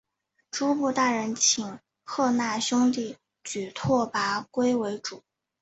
诸部大人请贺讷兄弟举拓跋圭为主。